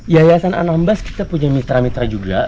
yayasan anambas kita punya mitra mitra juga